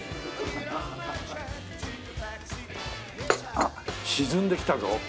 あっ沈んできたぞ。